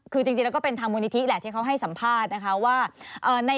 คือจริงแล้วก็เป็นทางมูลนิธิแหละที่เขาให้สัมภาษณ์นะคะว่า